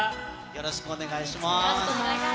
よろしくお願いします。